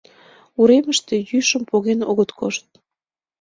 Уремыште йӱшым поген огыт кошт.